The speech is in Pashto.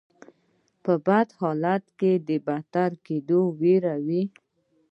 په بد حالت کې د بدتر کیدو ویره وي.